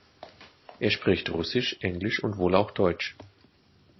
Er spricht Russisch, Englisch und wohl auch Deutsch.